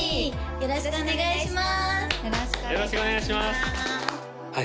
よろしくお願いします